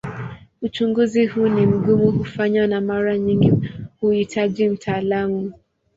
Uchunguzi huu ni mgumu kufanywa na mara nyingi huhitaji mtaalamu.